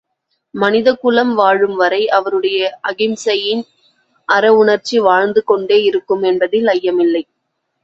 மனிதகுலம் வாழும் வரை அவருடைய அகிம்சையின் அறவுணர்ச்சி வாழ்ந்து கொண்டே இருக்கும் என்பதில் ஐயமில்லை.